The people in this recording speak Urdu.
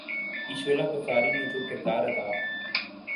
کی شعلہ گفتاری نے جو کردار ادا